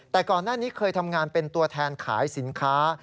แต่ก่อนหน้านี้เคยทำงานเป็นตัวแทนขายสินค้า